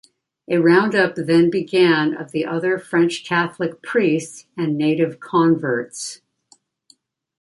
A roundup then began of the other French Catholic priests and native converts.